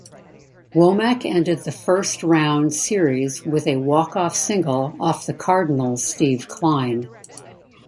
Womack ended the first-round series with a walk-off single off the Cardinals' Steve Kline.